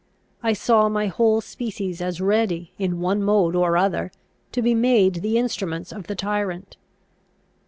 I saw my whole species as ready, in one mode or other, to be made the instruments of the tyrant.